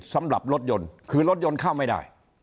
สำหรับรถยนต์คือรถยนต์เข้าไม่ได้